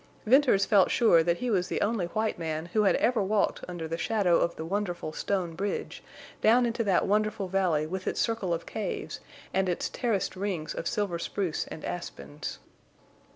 Venters felt sure that he was the only white man who had ever walked under the shadow of the wonderful stone bridge, down into that wonderful valley with its circle of caves and its terraced rings of silver spruce and aspens.